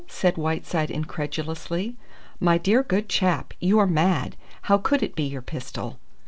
said Whiteside incredulously, "my dear good chap, you are mad! How could it be your pistol?"